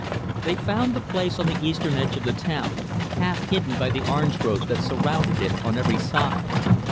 They found the place on the eastern edge of the town; half hidden by the orange groves that surrounded it on every side.